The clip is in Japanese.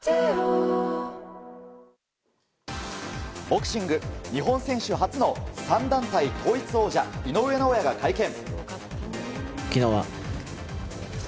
ボクシング、日本選手初の３団体統一王者、井上尚弥が会見。